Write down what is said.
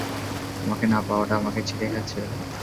তোমাকে না পাওয়াটা আমাকে ছিঁড়ে খাচ্ছিল।